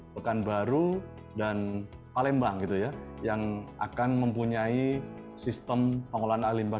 pekanbaru dan palembang gitu ya yang akan mempunyai sistem pengelolaan air limbah